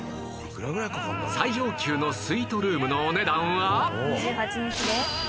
最上級のスイートルームのお値段は